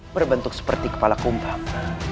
berbentuk seperti kepala kumpang